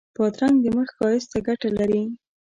بادرنګ د مخ ښایست ته ګټه لري.